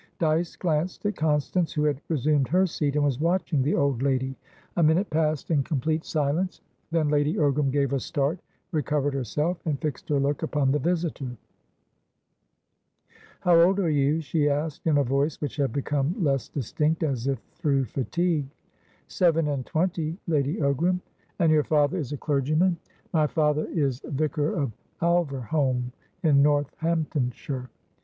Dyce glanced at Constance, who had resumed her seat, and was watching the old lady. A minute passed in complete silence, then Lady Ogram gave a start, recovered herself, and fixed her look upon the visitor. "How old are you?" she asked, in a voice which had become less distinct, as if through fatigue. "Seven and twenty, Lady Ogram." "And your father is a clergyman?" "My father is vicar of Alverholme, in Northamptonshire."